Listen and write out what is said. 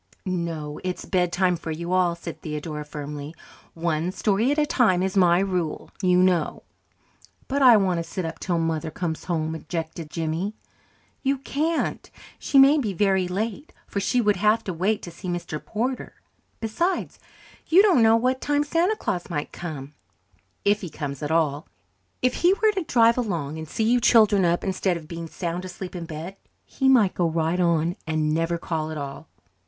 "No, it's bedtime for you all," said Theodora firmly. "One story at a time is my rule, you know." "But I want to sit up till Mother comes home," objected Jimmy. "You can't. She may be very late, for she would have to wait to see Mr. Porter. Besides, you don't know what time Santa Claus might come if he comes at all. If he were to drive along and see you children up instead of being sound asleep in bed, he might go right on and never call at all."